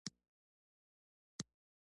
بیوزلو خلکو ته یې رسوو.